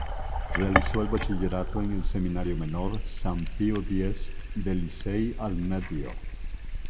Realizó el bachillerato en el Seminario Menor San Pío X de Licey al Medio.